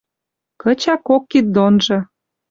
Кыча кок кид донжы.